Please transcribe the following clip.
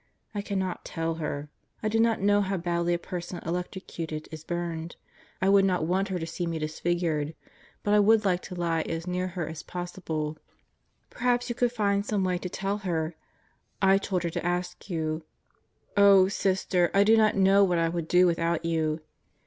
I cannot tell her. I do not know how badly a person electrocuted is burned, I would not want her to see me disfigured, but I would like to lie as near her as possible. Perhaps you could find some way to tell her. I told her to ask you. Oh, Sister, I do not know what I would do without you.